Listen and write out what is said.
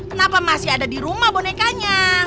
kenapa masih ada di rumah bonekanya